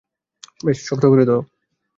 বেশ, শক্ত করে ধরো।